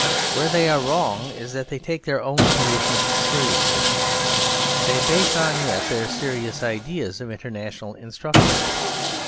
Where they are wrong is that they take their own amusement seriously. They base on it their serious ideas of international instruction.